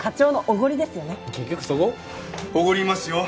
おごりますよ。